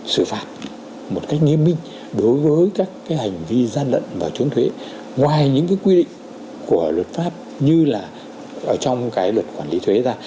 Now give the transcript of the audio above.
sử phạt một cách nghiêm minh đối với các cái hành vi gian lận và chứng thuế ngoài những cái quy định của luật pháp như là ở trong cái luật quản lý thuế ra